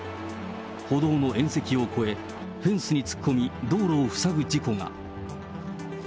歩道の縁石を越え、フェンスに突っ込み、道路を塞ぐ事故が。